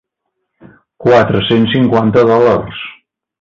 Quatre-cents cinquanta dòlars.